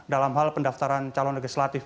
dalam hal pendaftaran calon legislatif